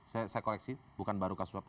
saya koreksi bukan baru kasus swab